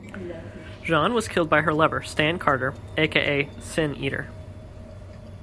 Jean was killed by her lover Stan Carter, aka Sin-Eater.